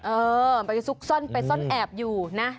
เออมันจะซุกซ่อนไปซ่อนแอบอยู่นะ